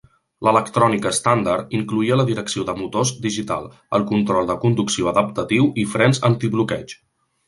L'electrònica estàndard incloïa la direcció de motors digital, el control de conducció adaptatiu i frens antibloqueig.